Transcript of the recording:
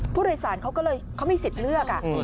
ผู้โดยสารเขาก็เลยเขามีสิทธิ์เลือก